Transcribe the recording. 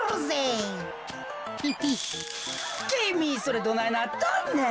「きみそれどないなっとんねん」。